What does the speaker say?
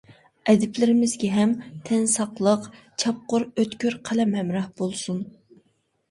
ئەدىبلىرىمىزگە ھەم تەن ساقلىق، چاپقۇر، ئۆتكۈر قەلەم ھەمراھ بولسۇن!